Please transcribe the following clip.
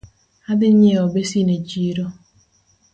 Adhi nyieo basin e chiro